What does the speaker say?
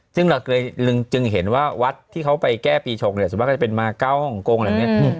ซึ่งเราจึงเห็นว่าวัดที่เขาไปแก้ปีชงเนี่ยสมมติก็จะเป็นมาเก้าห้องกงอะไรแบบนี้